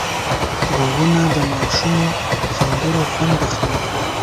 غوږونه د ماشومو سندرو خوند اخلي